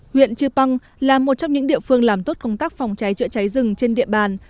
huyện chư păng là một trong những địa phương làm tốt công tác phòng cháy chữa cháy rừng trên địa bàn